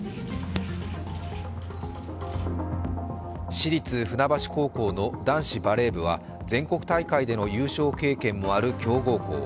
市立船橋高校の男子バレー部は全国大会での優勝経験もある強豪校。